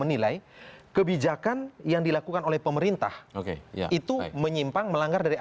atau gugatan yang dihadapi oleh gubernur petahana ini